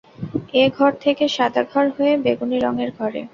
এ ঘর থেকে সাদা ঘর হয়ে বেগুনি রঙের ঘরে।